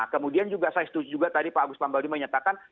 kemudian juga saya setuju juga tadi pak agus pambari menyatakan